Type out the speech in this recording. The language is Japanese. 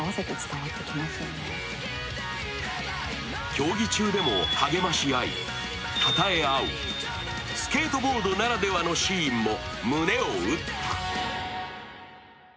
競技中でも、励まし合いたたえ合うスケートボードならではのシーンも胸を打った。